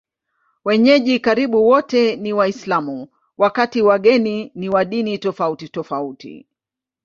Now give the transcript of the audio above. Wenyeji karibu wote ni Waislamu, wakati wageni ni wa dini tofautitofauti.